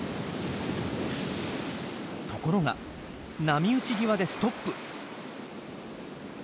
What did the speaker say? ところが波打ち際でストップ。